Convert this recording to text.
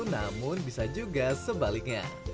namun bisa juga sebaliknya